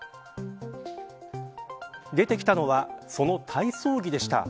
出てきたのはその体操着でした。